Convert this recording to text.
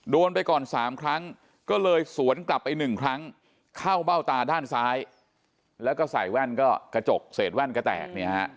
โดนไปก่อน๓ครั้งก็เลยสวนกลับไปหนึ่งครั้งเข้าเบ้าตาด้านซ้ายแล้วก็ใส่แว่นก็กระจกเศษแว่นก็แตกเนี่ยฮะ